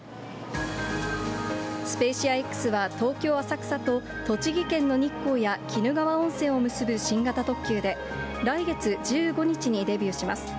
スペーシアＸは、東京・浅草と栃木県の日光や鬼怒川温泉を結ぶ新型特急で、来月１５日にデビューします。